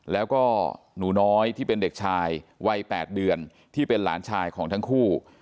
แล้วก็หนูน้อยที่เป็นเด็กชายวัย๘เดือนที่เป็นหลานชายของทั้งคู่